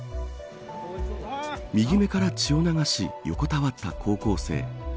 右目から血を流し横たわった高校生。